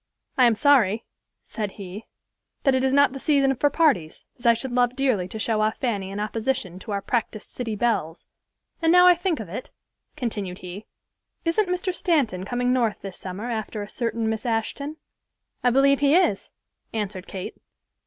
"I am sorry," said he, "that it is not the season for parties, as I should love dearly to show off Fanny in opposition to our practised city belles, and now I think of it," continued he, "isn't Mr. Stanton coming North this summer after a certain Miss Ashton?" "I believe he is," answered Kate.